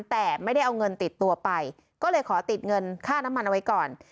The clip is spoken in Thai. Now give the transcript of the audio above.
แต่ไม่ได้เอาเงินติดตัวไปก็เลยขอติดเงินค่าน้ำมันเอาไว้ก่อน